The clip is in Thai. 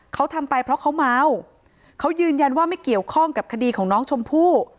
เขาทำไปเพราะเขาเมาเขายืนยันว่าไม่เกี่ยวข้องกับคดีของน้องชมพู่